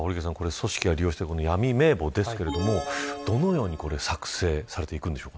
組織が利用した闇名簿ですけどどのように作成されていくんでしょうか。